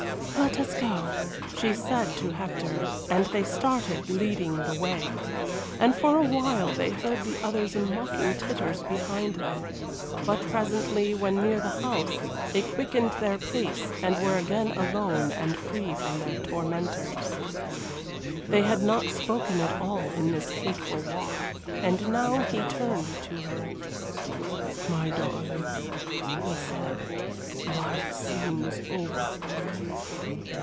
"Let us go," she said to Hector, and they started, leading the way. And for a while they heard the others in mocking titters behind them, but presently, when near the house, they quickened their pace, and were again alone and free from their tormentors. They had not spoken at all in this hateful walk, and now he turned to her. "My darling," he said, "life seems over for me."